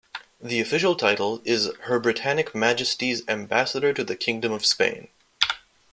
The official title is Her Britannic Majesty's Ambassador to the Kingdom of Spain.